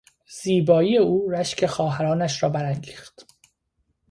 زیبایی او رشک خواهرانش را برانگیخت.